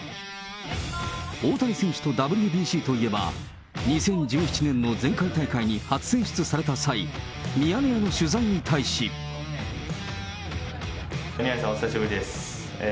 大谷選手とＷＢＣといえば、２０１７年の前回大会に初選出された際、ミヤネ屋の取材に対し宮根さん、お久しぶりです。